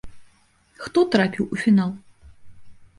Хто трапіў у фінал?